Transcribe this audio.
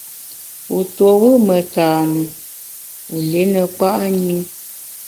Wu tuo wù metane, wu li ne kpa’ nyi.